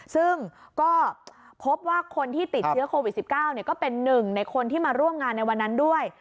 ซึ่งก็พบว่าคนที่ติดเชื้อโควิด๑๙ก็เป็นหนึ่งในคนที่มาร่วมงานในวันนั้นด้วย